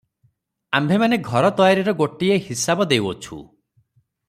ଆମ୍ଭେମାନେ ଘର ତୟାରିର ଗୋଟିଏ ହିସାବ ଦେଉଅଛୁ